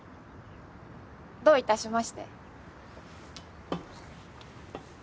どういたしまして。